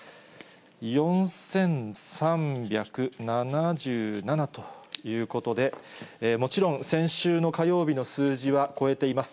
４３７７ということで、もちろん、先週の火曜日の数字は超えています。